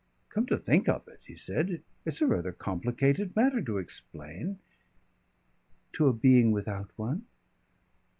"Come to think of it," he said, "it's a rather complicated matter to explain " "To a being without one?"